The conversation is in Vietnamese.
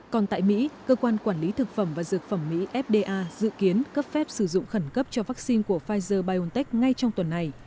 còn tại mỹ cơ quan quản lý thực phẩm và dược phẩm mỹ fda dự kiến cấp phép sử dụng khẩn cấp cho vaccine của pfizer biontech ngay trong tuần này